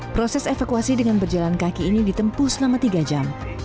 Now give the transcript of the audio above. proses evakuasi dengan berjalan kaki ini ditempuh selama tiga jam